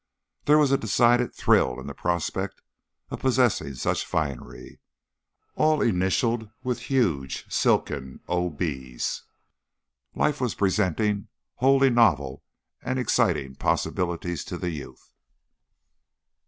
There was a decided thrill in the prospect of possessing such finery, all initialed with huge, silken O. B's. Life was presenting wholly novel and exciting possibilities to the youth.